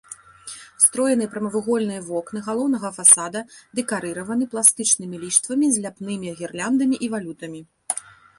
Строеныя прамавугольныя вокны галоўнага фасада дэкарыраваны пластычнымі ліштвамі з ляпнымі гірляндамі і валютамі.